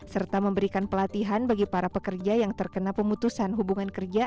serta memberikan pelatihan bagi para pekerja yang terkena pemutusan hubungan kerja